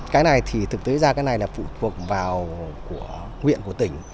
cái này thì thực tế ra cái này là phụ thuộc vào nguyện của tỉnh